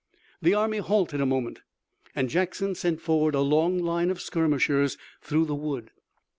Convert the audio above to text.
The army halted a moment and Jackson sent forward a long line of skirmishers through the wood.